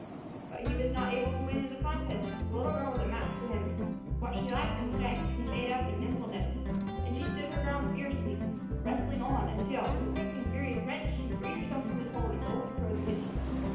But he was not able to win in the contest. The little girl was a match for him. What she lacked in strength she made up in nimbleness, and she stood her ground fiercely, wrestling on until, with a quick, furious wrench, she freed herself from his hold and bolted toward the kitchen.